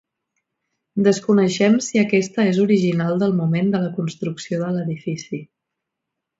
Desconeixem si aquesta és original del moment de la construcció de l'edifici.